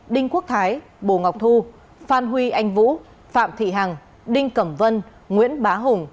đinh quốc thái bồ ngọc thu phan huy anh vũ phạm thị hằng đinh cẩm vân nguyễn bá hùng